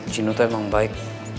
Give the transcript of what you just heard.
gino tuh emang baik